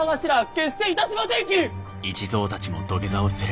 決していたしませんき！